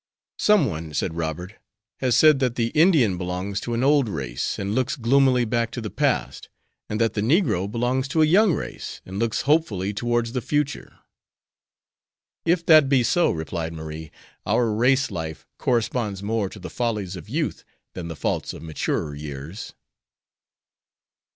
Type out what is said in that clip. "Some one," said Robert, "has said that the Indian belongs to an old race and looks gloomily back to the past, and that the negro belongs to a young race and looks hopefully towards the future." "If that be so," replied Marie, "our race life corresponds more to the follies of youth than the faults of maturer years."